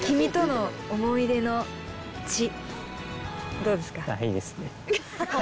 どうですか？